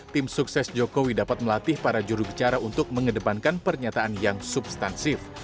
tim sukses jokowi dapat melatih para jurubicara untuk mengedepankan pernyataan yang substansif